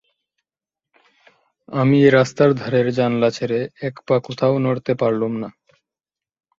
আমি এই রাস্তার ধারের জানলা ছেড়ে এক পা কোথাও নড়তে পারলুম না।